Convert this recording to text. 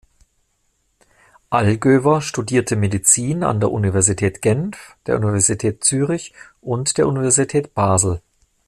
Allgöwer studierte Medizin an der Universität Genf, der Universität Zürich und der Universität Basel.